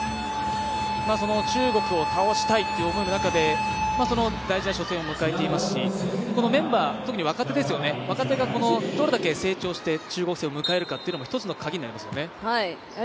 その中国を倒したいという思いの中で大事な初戦を迎えていますしこのメンバー特に若手がどれだけ成長して中国戦を迎えるかっていうところも一つの鍵になりますね。